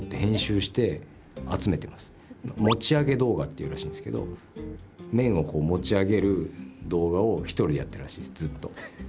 っていうらしいんですけど麺をこう持ち上げる動画を１人でやってるらしいです、ずっと。